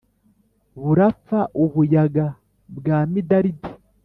Burapfa u Buyaga bwa Midalidi